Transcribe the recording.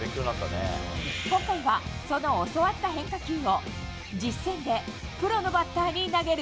今回は、その教わった変化球を実戦でプロのバッターに投げる。